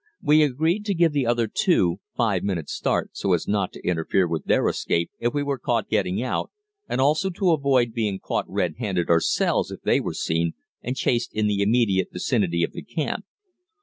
We agreed to give the other two five minutes' start so as not to interfere with their escape if we were caught getting out, and also to avoid being caught red handed ourselves if they were seen and chased in the immediate vicinity of the camp.